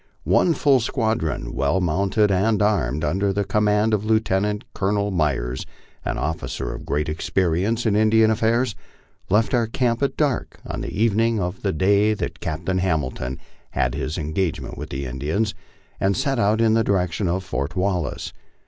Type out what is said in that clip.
One full squadron, well mounted and armed, MY LIFE OX THE PLAINS. 63 under command of Lieutenant Colonel Myers, an officer of great experience in Indian afiairs, left our camp at dark on the evening of the day that Captain Hamilton had had his engagement with the Indians, and set out in the direc tion of Fort Wallace.